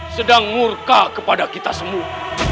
sedang murka kepada kita semua